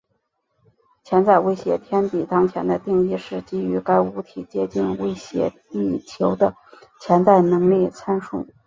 潜在威胁天体当前的定义是基于该物体接近威胁地球的潜在能力参数。